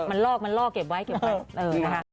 เออมันลอกเก็บไว้เก็บไว้